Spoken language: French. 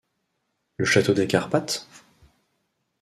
Le château des Carpathes?...